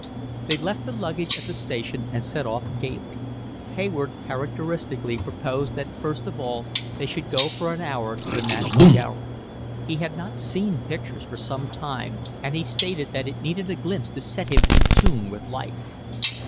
They left the luggage at the station, and set off gaily. Hayward characteristically proposed that first of all they should go for an hour to the National Gallery; he had not seen pictures for some time, and he stated that it needed a glimpse to set him in tune with life.